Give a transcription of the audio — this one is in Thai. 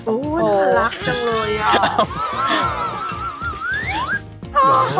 น่ารักจังเลยอ่ะ